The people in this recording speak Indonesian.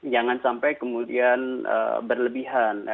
jangan sampai kemudian berlebihan